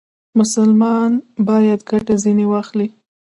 مسلمان باید ګټه ځنې واخلي.